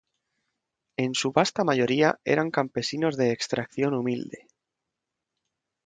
En su vasta mayoría eran campesinos de extracción humilde.